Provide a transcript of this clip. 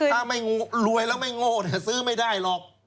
ถ้าไม่รวยแล้วไม่โง่ซื้อไม่ได้หรอก